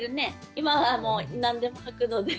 今はもう何でもはくので。